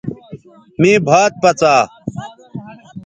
مے بھات پڅا